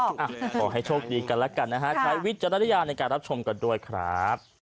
ขอให้โชคดีกันแล้วกันนะฮะใช้วิจารณญาณในการรับชมกันด้วยครับ